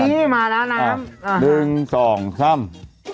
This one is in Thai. นี่มาแล้วน้ำ